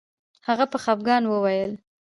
هغه په خفګان وویل